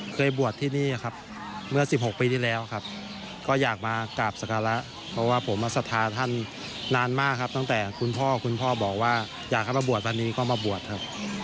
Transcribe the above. เคยบวชที่นี่ครับเมื่อ๑๖ปีที่แล้วครับก็อยากมากราบสการะเพราะว่าผมมาสัทธาท่านนานมากครับตั้งแต่คุณพ่อคุณพ่อบอกว่าอยากให้มาบวชตอนนี้ก็มาบวชครับ